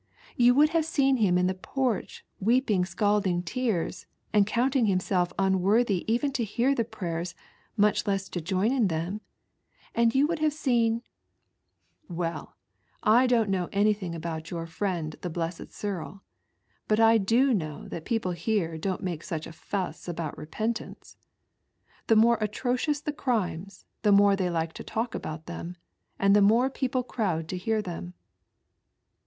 You I would have seen him in tbe porch weeping scalding I tears, and counting himself unworthy even to hear the I prayers, much leas to join in them : you would have \ Been"— —" Well, I don't know anything about your friend l.the Blessed Cyril, but I do know that people here I don't make such a fuss about repentance. The more atrocions the crimes, the more they like to talk about them, and the more people crowd to hear them."